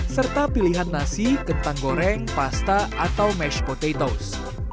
serta pilihan nasi kentang goreng pasta atau mashed potatoes